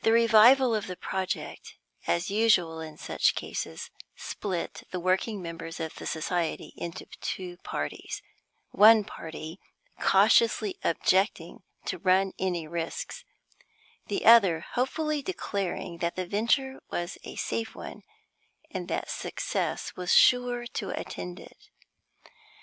The revival of the project, as usual in such cases, split the working members of the society into two parties; one party cautiously objecting to run any risks, the other hopefully declaring that the venture was a safe one, and that success was sure to attend it.